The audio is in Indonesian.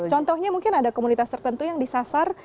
contohnya mungkin ada komunitas tertentu yang disasar